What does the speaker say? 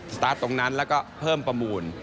ตาร์ทตรงนั้นแล้วก็เพิ่มประมูล